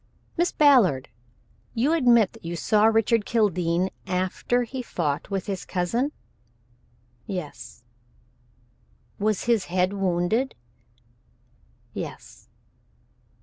"Miss Ballard, you admit that you saw Richard Kildene after he fought with his cousin?" "Yes." "Was his head wounded?" "Yes."